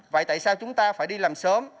vậy tại sao chúng ta phải đi làm sớm